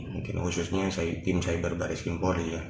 mungkin khususnya tim cyber baris kempori ya